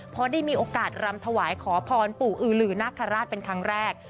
เพราะได้มีโอกาสรำถวายขอพรปู่อือหือนาคาราชเป็นครั้งแรก